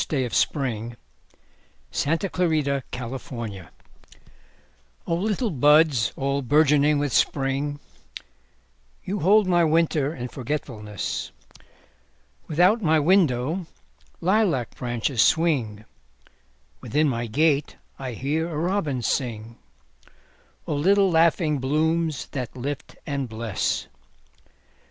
Thomas S. Jones, Jr. A Song in Spring O LITTLE buds all bourgeoning with Spring, You hold my winter in forgetfulness; Without my window lilac branches swing, Within my gate I hear a robin sing—O little laughing blooms that lift and bless!